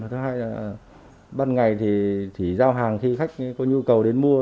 thứ hai là ban ngày thì chỉ giao hàng khi khách có nhu cầu đến mua